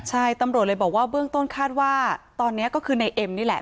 ใช่ตำรวจเลยบอกว่าเบื้องต้นคาดว่าตอนนี้ก็คือในเอ็มนี่แหละ